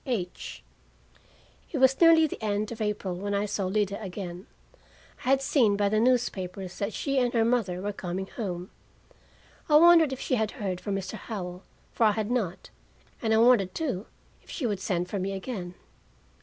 H." It was nearly the end of April when I saw Lida again. I had seen by the newspapers that she and her mother were coming home. I wondered if she had heard from Mr. Howell, for I had not, and I wondered, too, if she would send for me again.